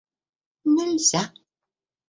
нельзя